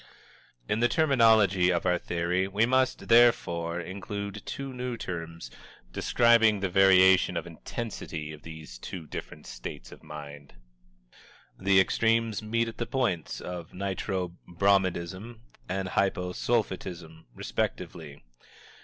In the terminology of our theory we must, therefore, include two new terms, describing the variation of intensity of these two different states of mind. The extremes meet at the points of Nitro Bromidism and Hypo Sulphitism, respectively.